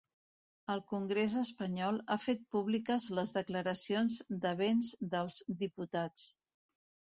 El congrés espanyol ha fet públiques les declaracions de béns dels diputats.